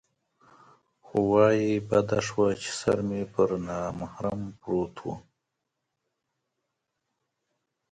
خوا یې بده شوه چې سر مې پر نامحرم پروت و.